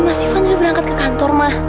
mas ivan udah berangkat ke kantor mah